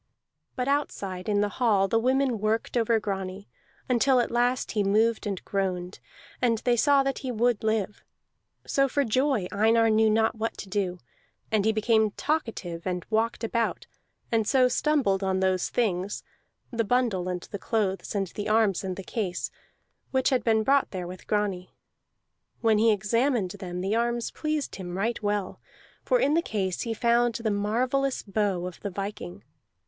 But outside in the hall the women worked over Grani until at last he moved and groaned, and they saw that he would live. So for joy Einar knew not what to do; and he became talkative, and walked about, and so stumbled on those things (the bundle, and the clothes, and the arms, and the case) which had been brought there with Grani. When he examined them the arms pleased him right well, for in the case he found the marvellous bow of the viking.